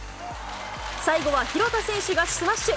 最後は廣田選手がスマッシュ。